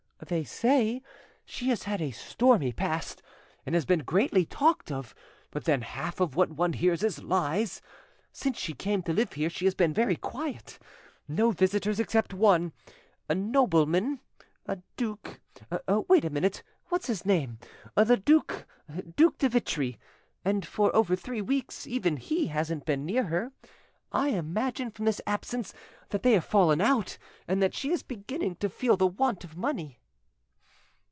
"They say she has had a stormy past, and has been greatly talked of; but then half of what one hears is lies. Since she came to live here she has been very quiet. No visitors except one—a nobleman, a duke—wait a moment! What's his name? The Duc Duc de Vitry; and for over three weeks even he hasn't been near her. I imagine from this absence that they have fallen out, and that she is beginning to feel the want of money."